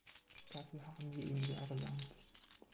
Dafür haben sie ihm sehr gedankt.